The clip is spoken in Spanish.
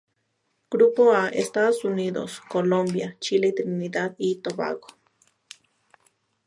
Grupo A: Estados Unidos, Colombia, Chile, y Trinidad y Tobago.